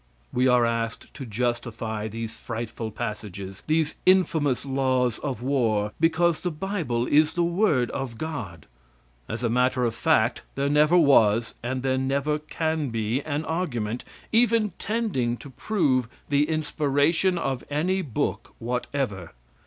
We are asked to justify these frightful passages, these infamous laws of war, because the bible is the word of God. As a matter of fact, there never was, and there never can be, an argument, even tending to prove the inspiration of any book whatever.